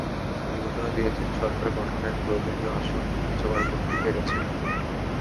তিনি ঘোষণা দিয়েছেন, সরকার গঠনের প্রয়োজনীয় আসন তিনি জোগাড় করতে পেরেছেন।